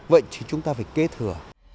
vậy thì chúng ta phải kế thừa